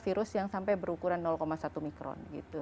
virus yang sampai berukuran satu mikron